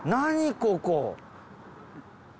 ここ。